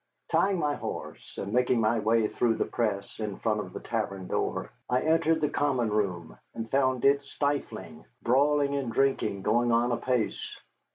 Tying my horse, and making my way through the press in front of the tavern door, I entered the common room, and found it stifling, brawling and drinking going on apace.